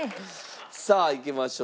さあいきましょう。